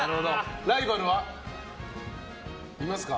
ライバルはいますか？